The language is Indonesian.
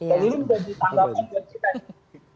dan ini tanggapan buat kita